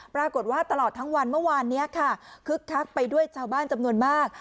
ตลอดทั้งวันเมื่อวานนี้ค่ะคึกคักไปด้วยชาวบ้านจำนวนมาก